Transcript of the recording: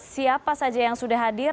siapa saja yang sudah hadir